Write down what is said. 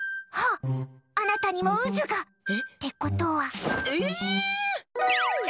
あなたにも渦が！ってことは。